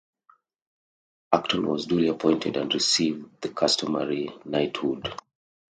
Acton was duly appointed and received the customary knighthood.